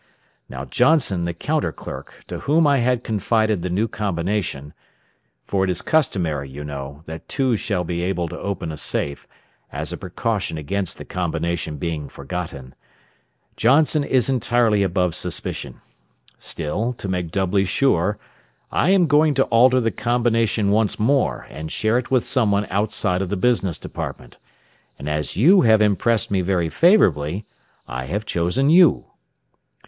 "Now Johnson, the counter clerk, to whom I had confided the new combination (for it is customary, you know, that two shall be able to open a safe, as a precaution against the combination being forgotten) Johnson is entirely above suspicion. Still, to make doubly sure, I am going to alter the combination once more, and share it with someone outside of the business department. And as you have impressed me very favorably, I have chosen you.